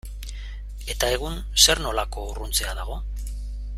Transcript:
Eta egun zer nolako urruntzea dago?